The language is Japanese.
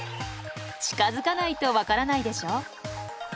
近づかないと分からないでしょ？